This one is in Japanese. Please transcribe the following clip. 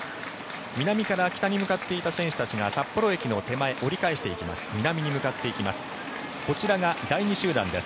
南から北に向かっていた選手たちが札幌駅の手前を折り返していきます。